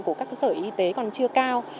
của các cơ sở y tế còn chưa cao